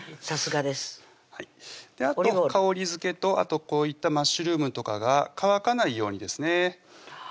さすがですあと香りづけとこういったマッシュルームとかが乾かないようにですね